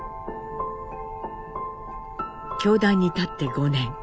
教壇に立って５年。